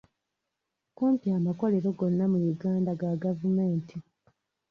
Kumpi amakomera gonna mu Uganda ga gavumenti.